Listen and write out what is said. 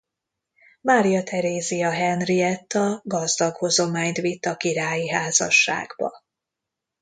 Mária Terézia Henrietta gazdag hozományt vitt a királyi házasságba.